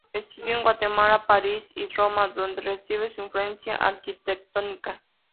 Estudió en Guatemala, París y Roma, donde recibe su influencia arquitectónica.